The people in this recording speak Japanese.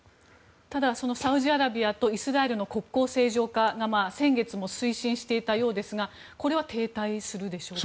ただ、サウジアラビアとイスラエルの国交正常化先月も推進していたようですがこれは停滞するでしょうか？